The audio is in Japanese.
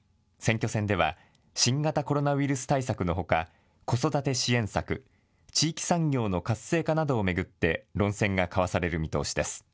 選挙戦では新型コロナウイルス対策のほか子育て支援策、地域産業の活性化などを巡って論戦が交わされる見通しです。